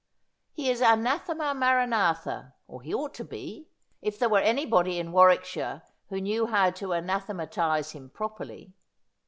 He is anathema maranatha, or he ought to be, if there were anybody in Warwickshire who knew how to anathematise him properly.